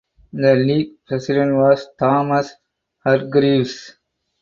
The league president was Thomas Hargreaves.